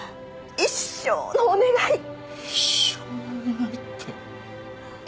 一生のお願いって。